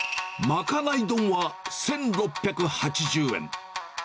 まかない丼は１６８０円。